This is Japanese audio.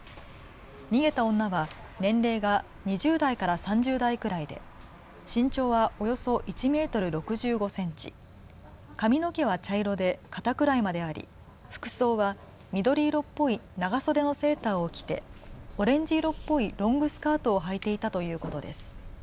逃げた女は年齢が２０代から３０代くらいで身長はおよそ１メートル６５センチ、髪の毛は茶色で肩くらいまであり服装は緑色っぽい長袖のセーターを着てオレンジ色っぽいロングスカートをはいていたということです。